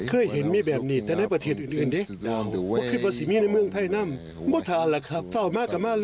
เคยเห็นไหมแบบนี้จะได้ประเทศอื่นเด้๋ยะ